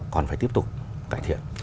còn phải tiếp tục cải thiện